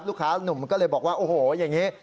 ลูกค้านุ่มก็เลยบอกว่าโอ้โหอย่างนี้